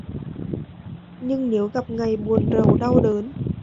Nhưng nếu gặp ngày buồn rầu đau đớn